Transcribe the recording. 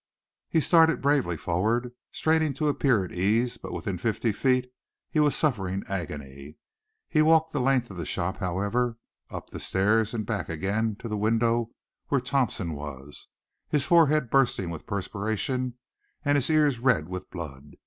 He started bravely forward straining to appear at ease but within fifty feet he was suffering agony. He walked the length of the shop, however, up the stairs and back again to the window where Thompson was, his forehead bursting with perspiration and his ears red with blood.